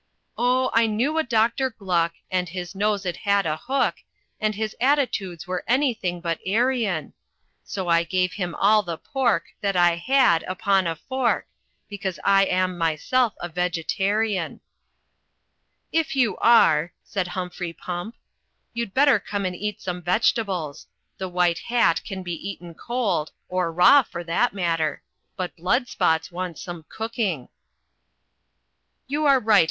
"Oh I knew a Doctor Gluck, And his nose it had a hook, And his attitudes were anything but Aryan ; So I gave him all the pork That I had, upon a fork; Because I am myself a Vegetarian." "If you are," said Humphrey Pump, "you'd better come and eat some vegetables. The White Hat can be eaten cold ' or raw, for that matter. But Blood spots wants some cooking." "You are right.